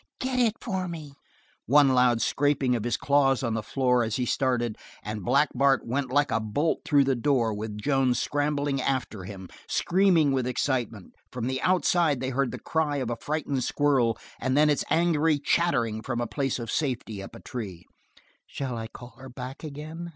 Get it for me!" One loud scraping of his claws on the floor as he started, and Black Bart went like a bolt through the door with Joan scrambling after him, screaming with excitement; from the outside, they heard the cry of a frightened squirrel, and then its angry chattering from a place of safety up a tree. "Shall I call her back again?"